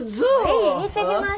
はい行ってきます。